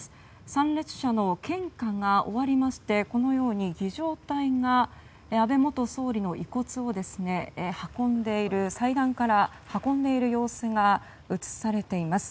参列者の献花が終わりましてこのように儀仗隊が安倍元総理の遺骨を祭壇から運んでいる様子が映されています。